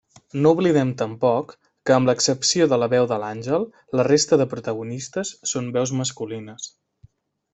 No oblidem tampoc que, amb l'excepció de la veu de l'àngel, la resta dels protagonistes són veus masculines.